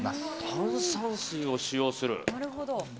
炭酸水を使用する。